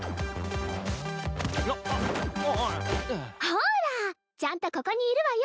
ほらちゃんとここにいるわよ。